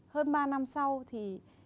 hơn ba năm sau thì